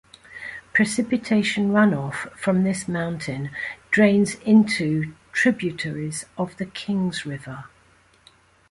Precipitation runoff from this mountain drains into tributaries of the Kings River.